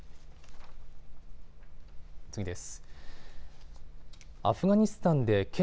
次です。